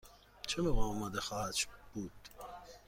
چه موقع آماده خواهد بود؟